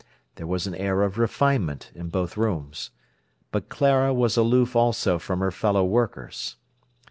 There was an air of refinement in both rooms. But Clara was aloof also from her fellow workers.